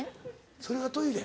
それがトイレ？